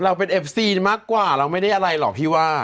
เราเป็นเอฟซีมากกว่าเราไม่ได้อะไรหรอกพี่ว่า